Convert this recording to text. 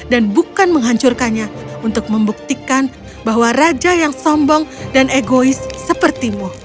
dan bukan menghancurkannya untuk membuktikan bahwa raja yang sombong dan egois sepertimu